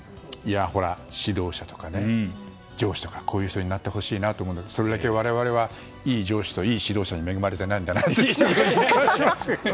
ほら、指導者とかね上司とかこういう人になってほしいなと思うけどそれだけ我々はいい上司といい指導者に恵まれていないんだなとつくづく感じますね。